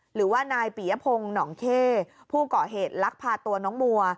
หรือว่านายปียพงศ์หนองเข้ผู้เกาะเหตุลักพาตัวน้องมัว